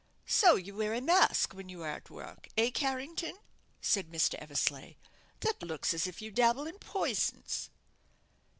"So you wear a mask when you are at work, eh, Carrington?" said Mr. Eversleigh. "That looks as if you dabble in poisons."